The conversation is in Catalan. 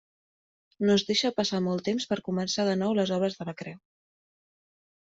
No es deixa passar molt temps per començar de nou les obres de la creu.